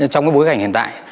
trong bối cảnh hiện tại